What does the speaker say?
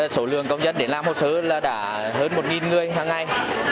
số lượng công dân đến làm hộ sơ đã hơn một người hằng ngày